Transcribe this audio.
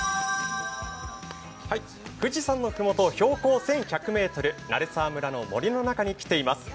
富士山の麓、標高１１００ｍ、鳴沢村の森の中に来ています。